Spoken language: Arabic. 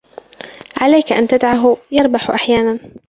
عليك أن تدعه يربح أحيانا.